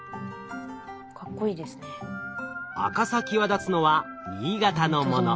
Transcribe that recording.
赤さ際立つのは新潟のもの。